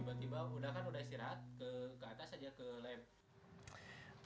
tiba tiba udah kan udah istirahat ke atas aja ke lab